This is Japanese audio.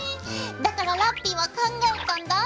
だからラッピィは考えたんだ。